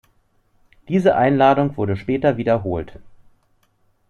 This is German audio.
Diese Einladung wurde später wiederholt.